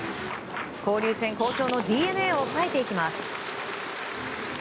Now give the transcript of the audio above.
交流戦、好調のＤｅＮＡを抑えていきます。